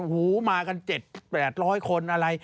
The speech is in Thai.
โอ้โฮมากันเจ็ดแปดร้อยคนอะไร